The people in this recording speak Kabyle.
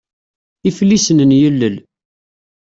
Iflisen n yilel.